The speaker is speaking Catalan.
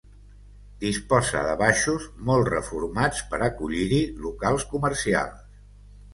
Disposa de baixos, molt reformats per acollir-hi locals comercials.